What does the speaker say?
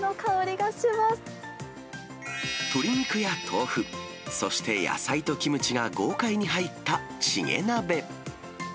鶏肉や豆腐、そして野菜とキムチが豪快に入ったチゲ鍋。